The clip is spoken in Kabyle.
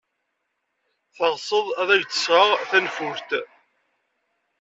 Teɣsed ad ak-d-sɣeɣ tanfult?